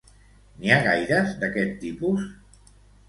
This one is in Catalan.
N'hi ha gaires d'aquest tipus?